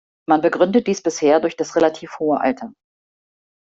Man begründet dies bisher durch das relativ hohe Alter.